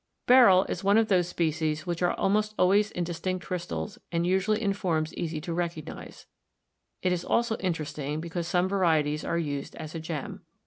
Beryl is one of those species which are almost always in distinct crystals and usually in forms easy to recognise ; it is also interesting because some varieties are used as a gem.